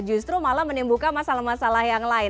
justru malah menimbulkan masalah masalah yang lain